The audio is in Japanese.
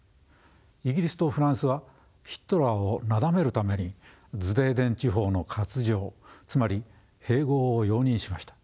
イギリスとフランスはヒトラーをなだめるためにズデーテン地方の割譲つまり併合を容認しました。